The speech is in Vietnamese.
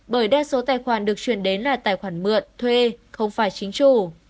bởi đa số tài khoản được chuyển đến là tài khoản mượn thuê không phải chính chủ